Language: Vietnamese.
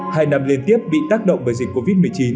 hai năm liên tiếp bị tác động bởi dịch covid một mươi chín